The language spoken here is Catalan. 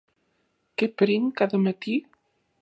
Què prenc cada matí?